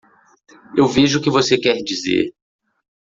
Eu vejo o que você quer dizer.